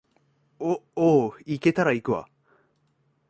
お、おう、行けたら行くわ